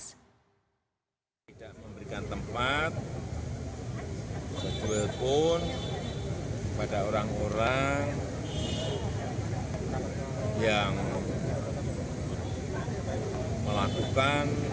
tidak memberikan tempat pun pada orang orang yang melakukan